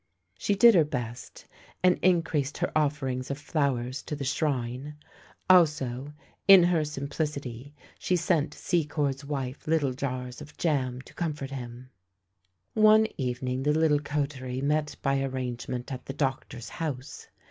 She did her best, and increased her ofiferings of flowers to the shrine ; also, in her AN UPSET PRICE 269 simplicity, she sent Secord's wife little jars of jam to comfort him. One evening the little coterie met by arrangement at the doctor's house.